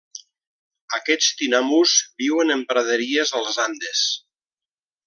Aquests tinamús viuen en praderies als Andes.